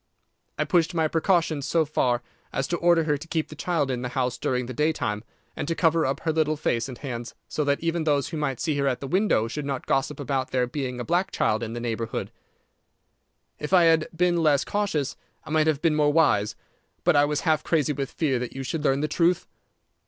I pushed my precautions so far as to order her to keep the child in the house during the daytime, and to cover up her little face and hands so that even those who might see her at the window should not gossip about there being a black child in the neighbourhood. If I had been less cautious I might have been more wise, but I was half crazy with fear that you should learn the truth.